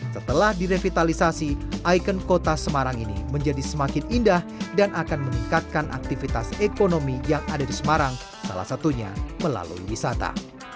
setelah direvitalisasi ikon kota semarang ini menjadi semakin indah dan akan meningkatkan aktivitas ekonomi yang ada di semarang salah satunya melalui wisata